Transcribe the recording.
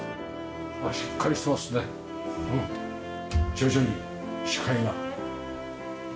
徐々に視界が。